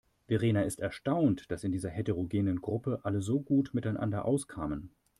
Verena ist erstaunt, dass in dieser heterogenen Gruppe alle so gut miteinander auskamen.